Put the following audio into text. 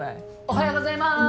おはようございまーす！